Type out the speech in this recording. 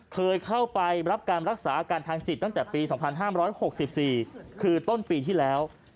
เคยเข้าไปรับการรักษาอาการทางจิตตั้งแต่ปี๒๕๖๔คือต้นปีที่แล้ว